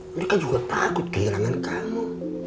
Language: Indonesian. mereka juga takut kehilangan kamu